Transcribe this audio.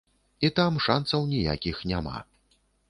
І там шанцаў ніякіх няма.